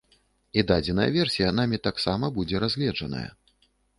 І дадзеная версія намі таксама будзе разгледжаная.